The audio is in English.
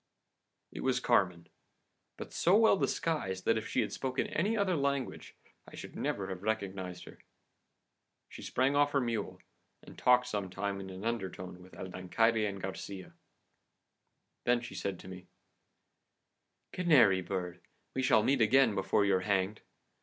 "It was Carmen, but so well disguised that if she had spoken any other language I should never have recognised her. She sprang off her mule, and talked some time in an undertone with El Dancaire and Garcia. Then she said to me: "'Canary bird, we shall meet again before you're hanged.